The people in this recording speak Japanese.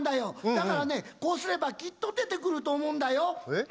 だからねこうすればきっと出てくると思うんだよ。